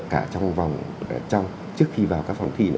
cả trong vòng trong trước khi vào các phòng thi